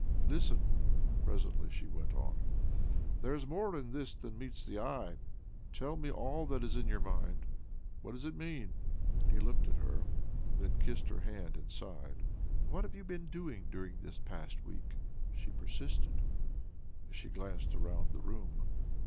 " Listen," presently she went on. " There is more ia this than meets the eye. Tell me all that is in your mind. What does it mean? " He looked at her — then kissed her hand and sighed. "What have you been doing during the past week or so?" she persisted as she glanced round the room'.